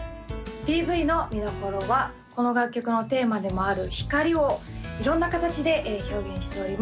ＰＶの見どころはこの楽曲のテーマでもある光を色んな形で表現しております